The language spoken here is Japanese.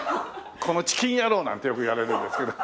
このチキン野郎なんてよく言われるんですけども。